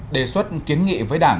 đề xuất kiến nghị với đảng